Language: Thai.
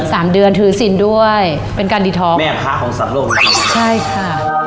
สามเดือนถือสินด้วยเป็นการดีทอล์คแม่พระของสัตว์โลกนี้ใช่ค่ะ